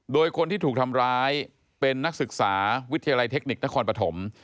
โดยคนที่ถูกทำร้ายเป็นนักศึกษาวิทยาลัยเทคนิคนครปฐม